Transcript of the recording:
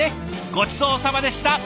ごちそうさまでした！